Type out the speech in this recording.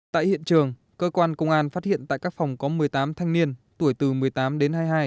tại hiện trường cơ quan công an phát hiện tại các phòng có một mươi tám thanh niên tuổi từ một mươi tám đến hai mươi hai